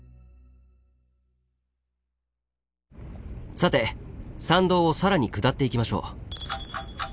さて参道を更に下っていきましょう。